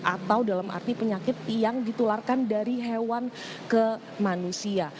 atau dalam arti penyakit yang ditularkan dari hewan ke manusia